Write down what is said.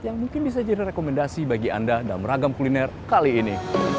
yang mungkin bisa jadi rekomendasi bagi anda dalam ragam kuliner kali ini